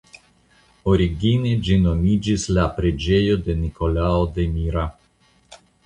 Origine ĝi nomiĝis la preĝejo de Nikolao de Mira.